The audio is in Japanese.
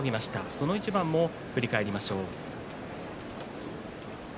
その一番を振り返りましょう。